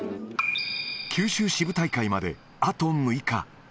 九州支部大会まであと６日。